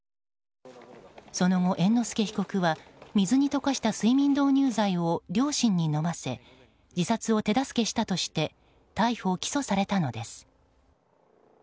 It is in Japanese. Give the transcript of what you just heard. その後、猿之助被告は水に溶かした睡眠導入剤を両親に飲ませ自殺を手助けしたとして逮捕・起訴されたのです。